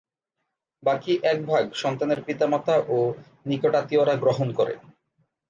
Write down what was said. বাকি এক ভাগ সন্তানের পিতা-মাতা ও নিকট আত্মীয়রা গ্রহণ করে।